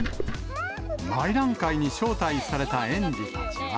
内覧会に招待された園児たちは。